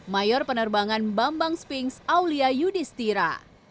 mayor penerbangan bambang spinks aulia yudhistira